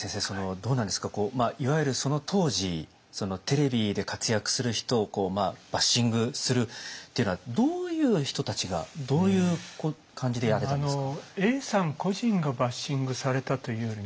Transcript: どうなんですかいわゆるその当時テレビで活躍する人をバッシングするっていうのはどういう人たちがどういう感じでやってたんですか？